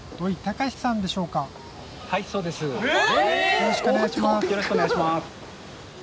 よろしくお願いします。